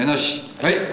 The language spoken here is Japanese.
はい！